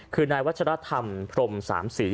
คือนายวัชรภรรย์ธรรมพรมสามสื่อ